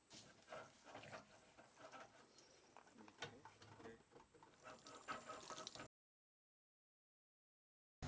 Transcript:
dan jauh dari keramaian kotor kesehatan